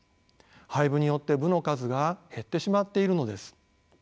廃部によって部の数が減ってしまっているのです。